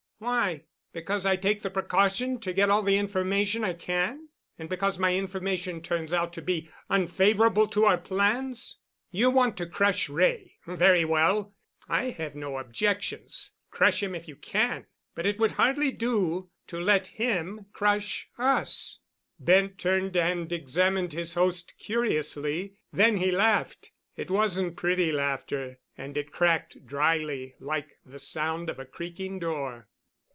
"Why? Because I take the precaution to get all the information I can—and because my information turns out to be unfavorable to our plans? You want to crush Wray. Very well. I have no objections. Crush him if you can. But it would hardly do to let him crush us." Bent turned and examined his host curiously. Then he laughed. It wasn't pretty laughter, and it cracked dryly, like the sound of a creaking door.